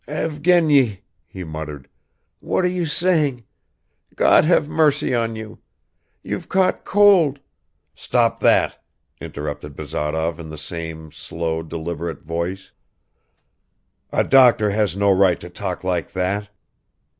"Evgeny," he muttered, "what are you saying? God have mercy on you! You've caught cold ..." "Stop that," interrupted Bazarov in the same slow, deliberate voice; "a doctor has no right to talk like that.